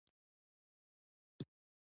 د زیتون ګل د فشار لپاره وکاروئ